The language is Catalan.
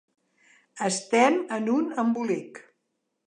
Estem en un embolic.